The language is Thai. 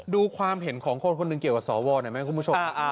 ดูความเห็นของคนคนหนึ่งเกี่ยวกับสวหน่อยไหมคุณผู้ชม